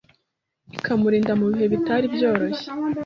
ikamurinda mu bihe bitari byoroshye.